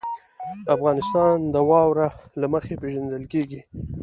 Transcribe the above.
افغانستان د واوره له مخې پېژندل کېږي.